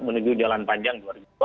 menuju jalan panjang dua ribu dua puluh